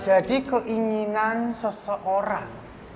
jadi keinginan seseorang